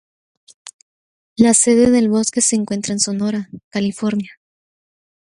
La sede del bosque se encuentra en Sonora, California.